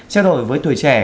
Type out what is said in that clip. trao đổi với tuổi trẻ